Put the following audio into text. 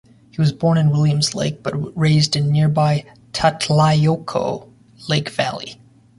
He was born in Williams Lake but raised in nearby Tatlayoko Lake Valley.